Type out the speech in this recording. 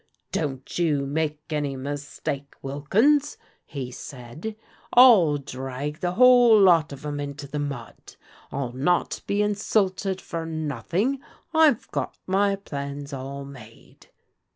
' Don't you make any mistake, Wilkins,' he said. 'I'll drag the whole lot of 'em into the mud: I'll not be insulted for nothing. I've got my plans all made.'